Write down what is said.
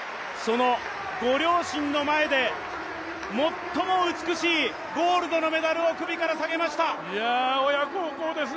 ご両親の前で最も美しいゴールドのメダルを首から提げました。